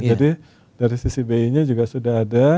jadi dari sisi bi nya juga sudah ada